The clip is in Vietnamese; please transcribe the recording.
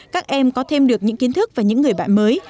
các em có thêm được những kiến thức và những người bạn mới